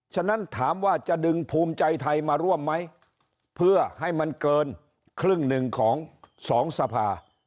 ฉะนั้นถามว่าจะดึงภูมิใจไทยมาร่วมมั้ยเพื่อให้มันเกิน๑ครึ่งของ๒สภา